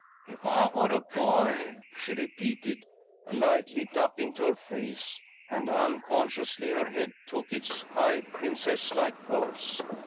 "If I were a boy," she repeated. A light leaped up into her face, and unconsciously her head took its high, princesslike pose.